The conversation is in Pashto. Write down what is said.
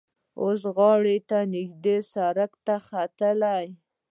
اوس غار ته نږدې سړک ختلی.